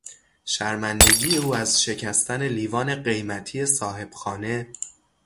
شرمندگی او از شکستن لیوان قیمتی صاحب خانه